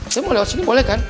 saya mau lewat sini boleh kan